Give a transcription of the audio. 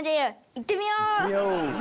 行ってみよー！